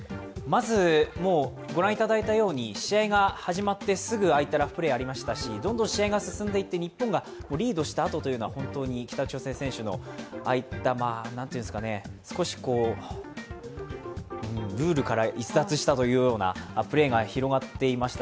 まず、ご覧いただいたように、試合が始まってすぐああいったラフプレーがありましたし、どんどん試合が進んでいって日本がリードしたあとというのは本当に北朝鮮選手の少しルールから逸脱したというようなプレーが広まっていました。